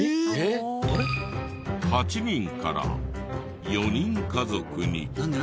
８人から４人家族に。